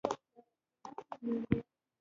دوی نور د طالبانو له ډلې نه دي.